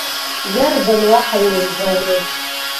Иарбан уаҳа иузнаурыз!